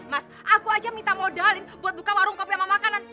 mas aku aja minta modalin buat buka warung kopi sama makanan